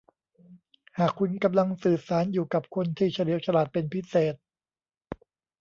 หากคุณกำลังสื่อสารอยู่กับคนที่เฉลียวฉลาดเป็นพิเศษ